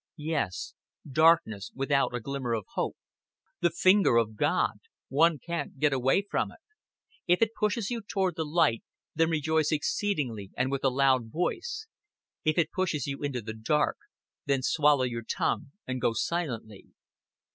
Yes, darkness without a glimmer of hope. The finger of God one can't get away from it. If it pushes you toward the light, then rejoice exceedingly and with a loud voice; if it pushes you into the dark, then swallow your tongue and go silently.